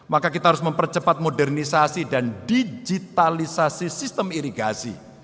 maka kita harus mempercepat modernisasi dan digitalisasi sistem irigasi